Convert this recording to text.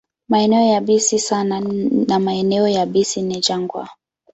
Maeneo yabisi sana na maeneo yabisi ni jangwa.